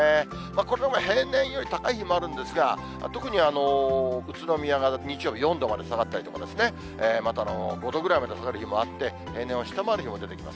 これでも平年より高い日もあるんですが、特に宇都宮が日曜日４度まで下がったりとかですね、また５度ぐらいまで下がる日もあって、平年を下回る日も出てきます。